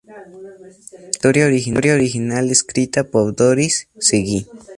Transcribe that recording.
Es una historia original escrita por Doris Seguí.